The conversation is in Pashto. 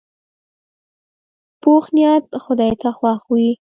پوخ نیت خدای ته خوښ وي